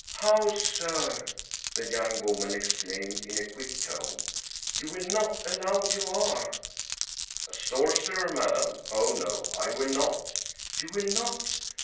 "How, sir! the young woman exclaimed, in a quick tone, "you will not allow you are " "A sorcerer, madam? Oh, no, I will not'* "You will not?"